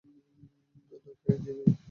না কি আইনজীবী?